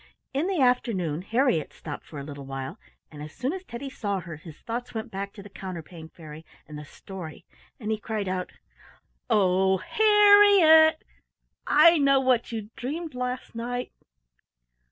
In the afternoon Harriett stopped for a little while, and as soon as Teddy saw her his thoughts went back to the Counterpane Fairy and the story, and he cried out: "Oh, Harriett! I know what you dreamed last night."